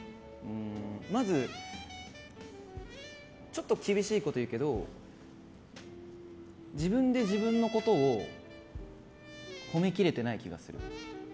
まずちょっと厳しいこと言うけど自分で自分のことを褒めきれてない気がする。